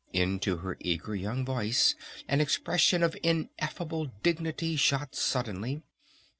Into her eager young voice an expression of ineffable dignity shot suddenly.